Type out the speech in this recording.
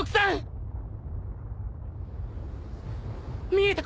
見えた